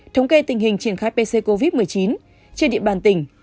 thống kê tình hình triển khai pc covid một mươi chín trên địa bàn tỉnh